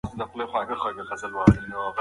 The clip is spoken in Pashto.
هغه په پاسته ځای کې ناست دی.